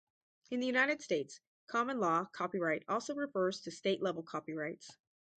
In the United States, common law copyright also refers to state-level copyrights.